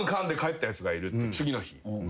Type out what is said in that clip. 次の日。